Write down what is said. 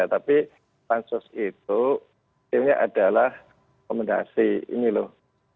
tapi pansos itu akhirnya adalah komendasi ini loh